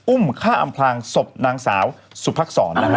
อุ้มฆ่าอำพลางศพนางสาวสุภักษรนะฮะ